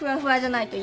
はい。